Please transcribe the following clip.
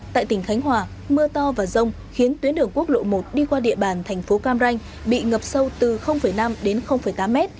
tại tỉnh khánh hòa mưa to và rông khiến tuyến đường quốc lộ một đi qua địa bàn thành phố cam ranh bị ngập sâu từ năm đến tám mét